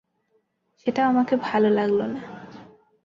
সেটাও আমাকে ভালো লাগল না।